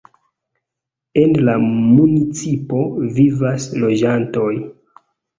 En la municipo vivas loĝantoj.